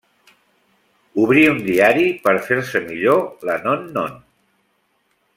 Obrí un diari per fer-se millor la non-non.